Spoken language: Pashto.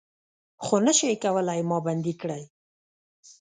خو نه شئ کولای ما بندۍ کړي